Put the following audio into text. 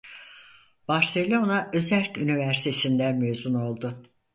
Barselona Özerk Üniversitesi'nden mezun oldu.